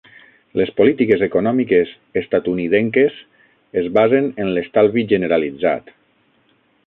Les polítiques econòmiques estatunidenques es basen en l'estalvi generalitzat.